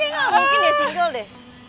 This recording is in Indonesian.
nggak mungkin ya single deh